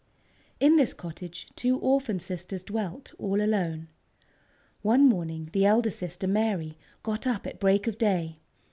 In this cottage two orphan sisters dwelt all alone. One morning the elder sister, Mary, got up at break of day.